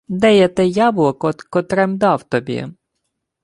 — Де є те яблуко, котре-м дав тобі?